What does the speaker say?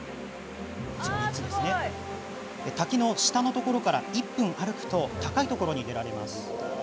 滝の下から１分、歩くと高いところに出られます。